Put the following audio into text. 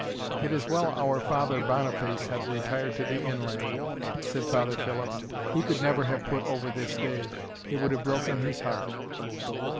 "It is well our Father Boniface hath retired to the inland," said Father Philip; "he could never have put over this day it would have broken his heart!"